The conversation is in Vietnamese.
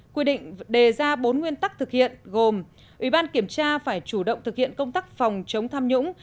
quy định đề ra bốn nguyên tắc thực hiện gồm ủy ban kiểm tra phải chủ động thực hiện công tác phòng chống tham nhũng